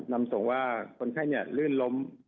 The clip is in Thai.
นำส่งว่าคนไข้ลื่นล้ม